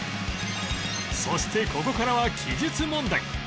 そしてここからは記述問題